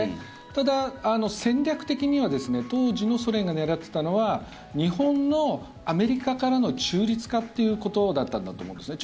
ただ、戦略的には当時のソ連が狙ってたのは日本のアメリカからの中立化ということだったんだと思うんですね。